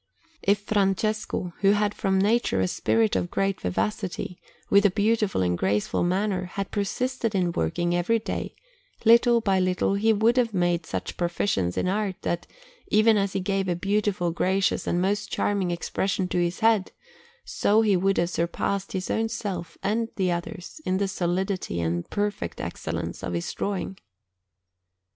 If Francesco, who had from nature a spirit of great vivacity, with a beautiful and graceful manner, had persisted in working every day, little by little he would have made such proficience in art, that, even as he gave a beautiful, gracious, and most charming expression to his heads, so he would have surpassed his own self and the others in the solidity and perfect excellence of his drawing.